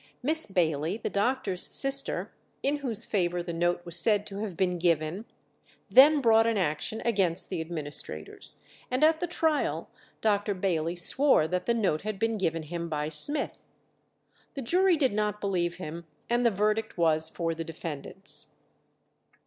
Miss Bailey, the doctor's sister, in whose favour the note was said to have been given, then brought an action against the administrators, and at the trial Dr. Bailey swore that the note had been given him by Smith. The jury did not believe him, and the verdict was for the defendants.